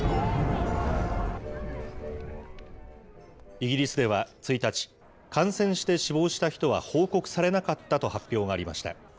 イギリスでは１日、感染して死亡した人は報告されなかったと発表がありました。